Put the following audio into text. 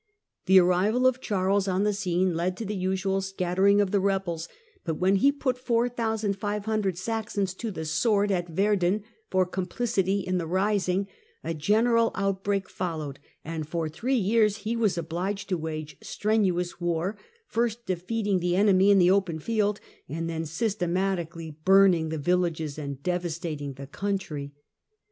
The arrival of Charles on the scene led to the usual scattering of the rebels, but when he put four thousand five hundred Saxons to the sword at Verden for complicity in the rising, a general out break followed, and for three years he was obliged to wage strenuous war, first defeating the enemy in the open field, and then systematically burning the villages and devastating the country.